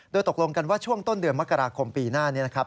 โดยตกลงกันว่าช่วงต้นเดือนมกราคมปีหน้านี้นะครับ